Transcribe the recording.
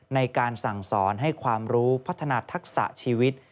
ในการสั่งสอนให้ความรู้พัฒนาทักษะชีวิต